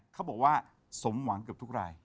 เขาบอกว่าสมหวังเกือบทุกราย